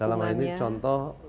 dalam hal ini contoh